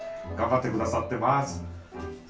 頑張って下さってます。